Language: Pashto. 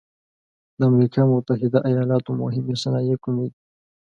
د امریکا متحد ایلاتو مهمې صنایع کومې دي؟